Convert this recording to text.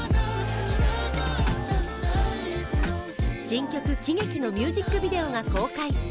新曲「喜劇」のミュージックビデオが公開。